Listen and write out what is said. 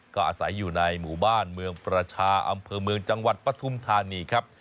ก็อาศัยอยู่ในหมู่บ้านเมืองประชาอำเภอเมืองจังหวัดปฐุมธานีครับ